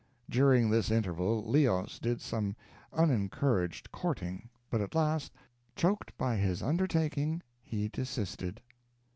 During this interval Leos did some unencouraged courting, but at last, "choked by his undertaking," he desisted.